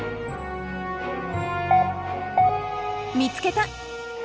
見つけた！